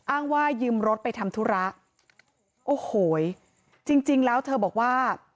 อ้างว่ายืมรถไปทำธุระโอ้โหจริงจริงแล้วเธอบอกว่า